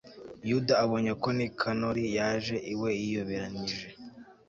yuda abonye ko nikanori yaje iwe yiyoberanyije